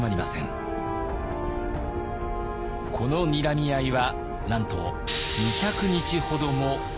このにらみ合いはなんと２００日ほども続きました。